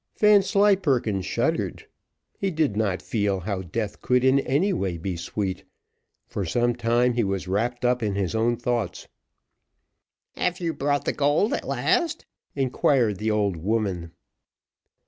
Vanslyperken shuddered: he did not feel how death could in any way be sweet; for some time he was wrapped up in his own thoughts. "Have you brought the gold at last?" inquired the old woman.